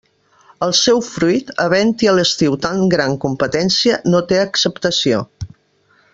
El seu fruit, havent-hi a l'estiu tan gran competència, no té acceptació.